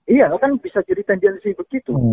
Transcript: iya kan bisa jadi tendensi begitu